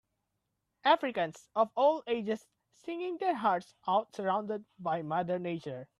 Africans of all ages singing their hearts out surrounded by mother nature.